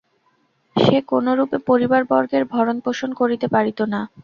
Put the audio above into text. সে কোনরূপে পরিবারবর্গের ভরণপোষণ করিতে পারিত না।